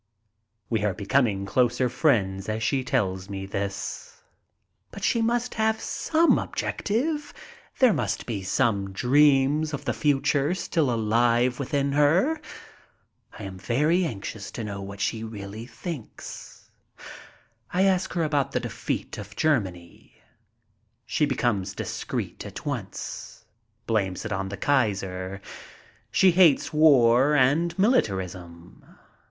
We are becoming closer friends as she tells me this. But she must have some objective, there must be some MY VISIT TO GERMANY 121 dreams of the future still alive within her. I am very anx ious to know what she really thinks. I ask her about the defeat of Germany. She becomes dis creet at once. Blames it on the Kaiser. She hates war and militarism.